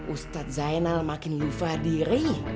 ustadz zainal makin lupa diri